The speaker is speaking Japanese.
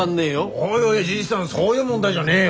おいおいじいさんそういう問題じゃねえよ。